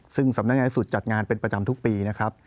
ซึ่งสำนักงานสุดจัดงานเป็นประจำทุกปีนะครับ